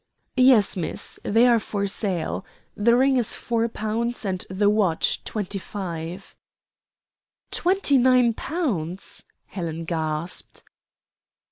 "Yes, miss, they are for sale. The ring is four pounds and the watch twenty five." "Twenty nine pounds!" Helen gasped.